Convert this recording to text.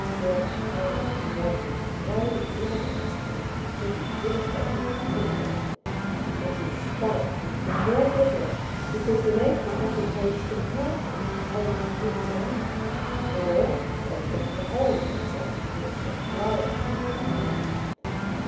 Ser Ceccone wanted no evidence to make him attribute his failure to Tito, and his spite was the more bitter because the nature of the case compelled him to hold his peace about it. Nor was this the whole of his grudge against the flourishing Melema.